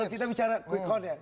kalau kita bicara kebanyakan